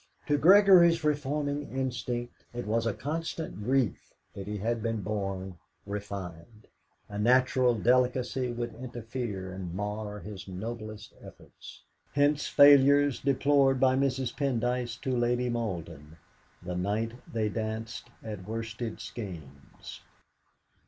To Gregory's reforming instinct it was a constant grief that he had been born refined. A natural delicacy would interfere and mar his noblest efforts. Hence failures deplored by Mrs. Pendyce to Lady Malden the night they danced at Worsted Skeynes.